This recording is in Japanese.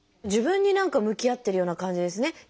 自分に何か向き合ってるような感じですね。